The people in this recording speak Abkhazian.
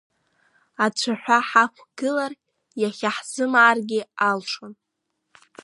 Ацәаҳәа ҳақәгылар, иахьа ҳзымааргьы алшон.